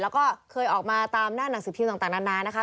แล้วก็เคยออกมาตามหน้าหนังสือพิมพ์ต่างนานนะคะ